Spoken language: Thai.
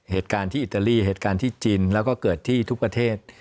เหตุการณ์ที่อิตาลีเหตุการณ์ที่จีนแล้วก็เกิดที่ทุกประเทศ